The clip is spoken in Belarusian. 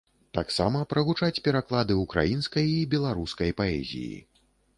Таксама прагучаць пераклады ўкраінскай і беларускай паэзіі.